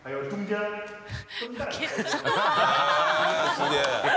すげえ。